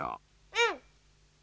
うん。